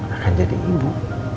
akan jadi ibu